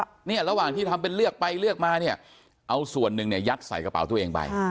เนี่ยระหว่างที่ทำเป็นเลือกไปเลือกมาเนี่ยเอาส่วนหนึ่งเนี่ยยัดใส่กระเป๋าตัวเองไป